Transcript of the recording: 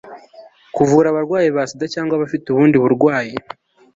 kuvura abarwayi ba sida cyangwa abafite ubundi burwayi